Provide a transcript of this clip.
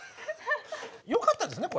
よかったですね。